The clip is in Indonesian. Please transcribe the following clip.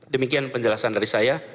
demikian penjelasan dari saya